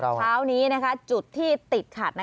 สำหรับเช้านี้จุดที่ติดขัด